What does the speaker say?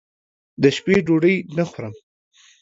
دشپې ډوډۍ نه خورم